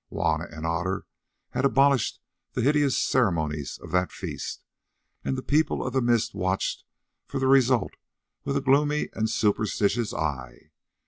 Juanna and Otter had abolished the hideous ceremonies of that feast, and the People of the Mist watched for the results with a gloomy and superstitious eye.